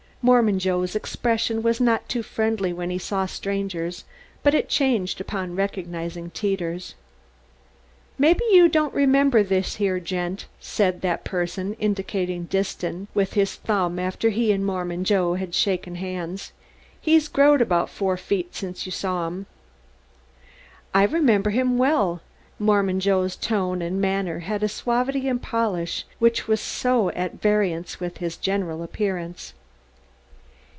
Mormon Joe's expression was not too friendly when he saw strangers but it changed upon recognizing Teeters. "Maybe you don't remember this here gent," said that person, indicating Disston with his thumb after he and Mormon Joe had shaken hands. "He's growed about four feet since you saw him." "I remember him very well." Mormon Joe's tone and manner had the suavity and polish which was so at variance with his general appearance.